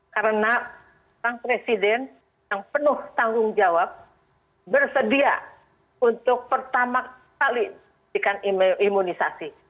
karena sang presiden yang penuh tanggung jawab bersedia untuk pertama kali dikan imunisasi